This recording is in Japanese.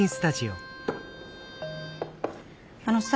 あのさ。